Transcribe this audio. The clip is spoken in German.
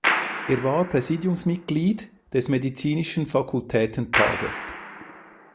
Er war Präsidiumsmitglied des Medizinischen Fakultätentages.